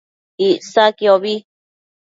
Icsaquiobi